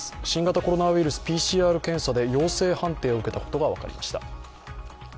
新型コロナウイルス、ＰＣＲ検査で陽性判定を受けたことが分かりました。